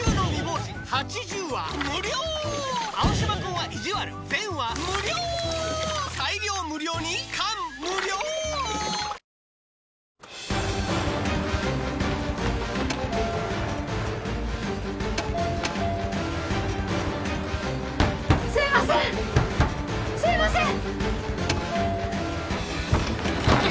うっすいません！